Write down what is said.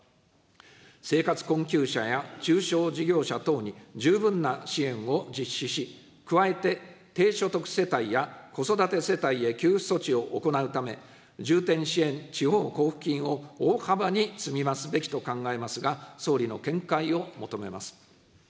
生活困窮者や中小事業者等に十分な支援を実施し、加えて低所得世帯や子育て世帯へ給付措置を行うため、重点支援地方交付金を大幅に積み増すべきと考えますが、総理の見解を求めます。